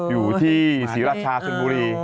อยู่ที่ศรีราชาชนบุรี